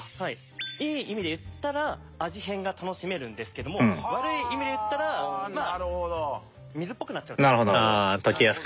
いい意味で言ったら味変が楽しめるんですけども悪い意味で言ったらまあ水っぽくなっちゃうっていう事ですかね。